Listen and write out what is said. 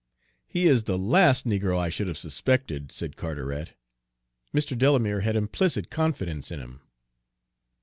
"He is the last negro I should have suspected," said Carteret. "Mr. Delamere had implicit confidence in him."